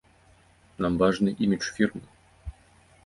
Нам важны імідж фірмы.